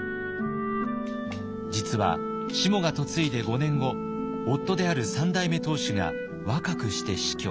実はしもが嫁いで５年後夫である三代目当主が若くして死去。